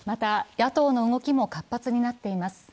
野党の動きも活発になっています。